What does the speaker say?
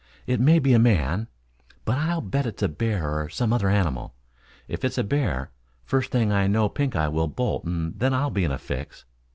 "It may be a man, but I'll bet it's a bear or some other animal. If it's a bear, first thing I know Pink eye will bolt and then I'll be in a fix."